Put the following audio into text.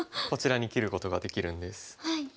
こちらに切ることができるんです。